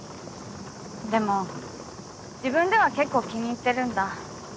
でも自分では結構気に入ってるんだ。